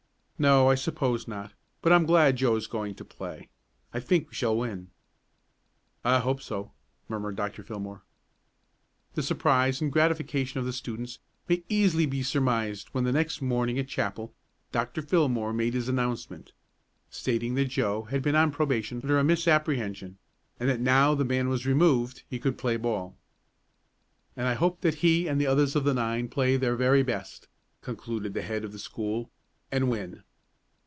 "No, I suppose not. But I'm glad Joe is going to play. I think we shall win." "I hope so," murmured Dr. Fillmore. The surprise and gratification of the students may easily be surmised when the next morning at chapel, Dr. Fillmore made his announcement, stating that Joe had been on probation under a misapprehension, and that now the ban was removed he could play ball. "And I hope that he and the others of the nine play their very best," concluded the head of the school, "and win!"